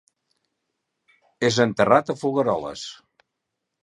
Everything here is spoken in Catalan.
És enterrat a Folgueroles.